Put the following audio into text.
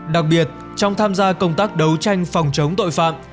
đặc biệt trong tham gia công tác đấu tranh phòng chống tội phạm